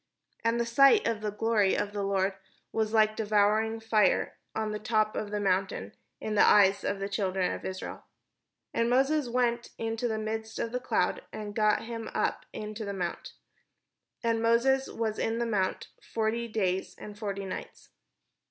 And the sight of the glory of the Lord was like 536 THE JOURNEY TO THE PROMISED LAND devouring lire on the top of the mount in the eyes of the children of Isrueh And Moses went into the midst of the cloud, and gat him up into the mount: and Moses was in the mount forty days and forty nights.